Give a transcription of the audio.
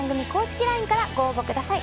ＬＩＮＥからご応募ください。